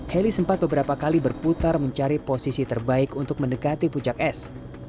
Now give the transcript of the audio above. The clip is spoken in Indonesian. heli sempat beberapa kali berputar mencari posisi terbaik untuk mendekati puncak es